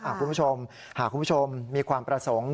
หากคุณผู้ชมมีความประสงค์